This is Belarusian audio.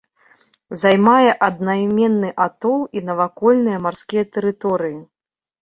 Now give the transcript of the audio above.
Займае аднайменны атол і навакольныя марскія тэрыторыі.